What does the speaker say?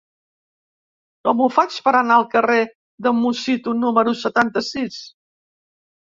Com ho faig per anar al carrer de Musitu número setanta-sis?